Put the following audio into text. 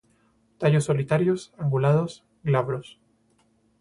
Tallos solitarios, angulados, glabros.